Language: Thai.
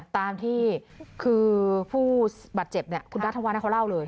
ตามที่คือผู้บัตรเจ็บด้านทำวานให้เขาเล่าเลย